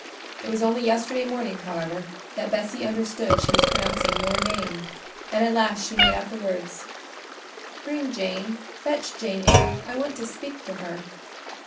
It was only yesterday morning, however, that Bessie understood she was pronouncing your name; and at last she made out the words, 'Bring Jane—fetch Jane Eyre: I want to speak to her.